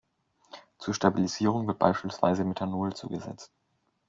Zur Stabilisierung wird beispielsweise Methanol zugesetzt.